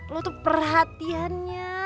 lo tuh perhatiannya